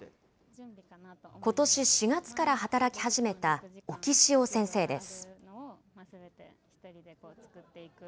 ことし４月から働き始めた置塩先生です。